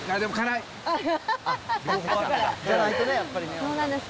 甘い、そうなんです。